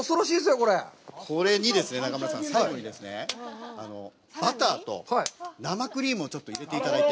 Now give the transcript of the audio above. これにですね、中丸さん、最後にですね、バターと生クリームをちょっと入れていただいて。